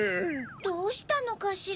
どうしたのかしら？